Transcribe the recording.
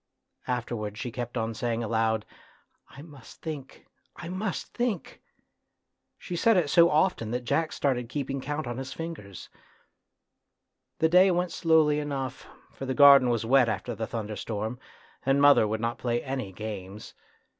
Afterwards she kept on saying aloud, " I must think, I must think !" She said it so often that Jack started keeping count on his fingers. The day went slowly enough, for the A TRAGEDY IN LITTLE 95 garden was wet after the thunderstorm, and mother would not play any games.